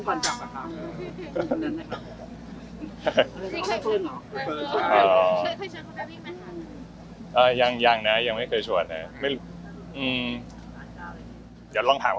ว้าวเตยยังยังน่ะยังไม่เคยฉวลเนี้ยไม่ม่ำจ